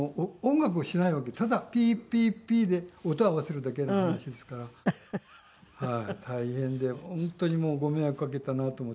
ただピーピーピーで音を合わせるだけの話ですから大変で本当にもうご迷惑かけたなと思って。